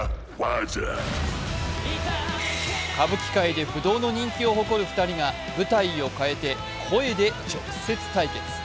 歌舞伎界で不動の人気を誇る２人が舞台を変えて声で直接対決。